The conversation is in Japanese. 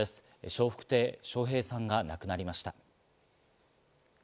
笑福亭笑瓶さんが亡くなりました。